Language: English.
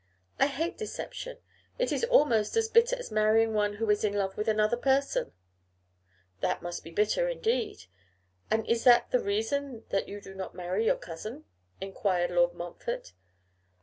I hate deception; it is almost as bitter as marrying one who is in love with another person.' 'That must indeed be bitter. And is that the reason that you do not marry your cousin?' enquired Lord Montfort.